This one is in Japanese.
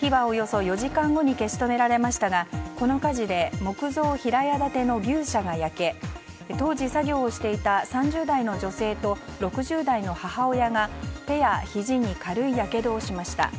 火はおよそ４時間後に消し止められましたがこの火事で木造平屋建ての牛舎が焼け当時、作業をしていた３０代の女性と６０代の母親が手やひじに軽いやけどをしました。